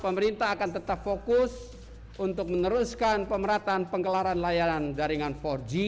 pemerintah akan tetap fokus untuk meneruskan pemerataan penggelaran layanan jaringan empat g